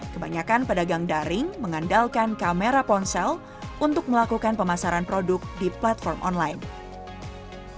kebanyakan pedagang daring mengandalkan kamera ponsel untuk melakukan pemasaran produk di platform online